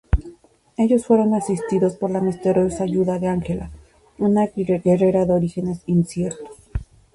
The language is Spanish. Ellos fueron asistidos por la misteriosa ayuda de Angela, una guerrera de orígenes inciertos.